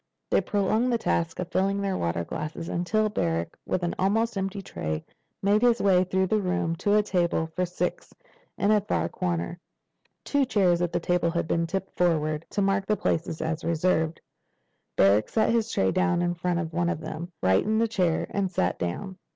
They prolonged the task of filling their water glasses until Barrack, with an almost empty tray, made his way through the room to a table for six in a far corner. Two chairs at the table had been tipped forward, to mark the places as reserved. Barrack set his tray down in front of one of them, righted the chair, and sat down.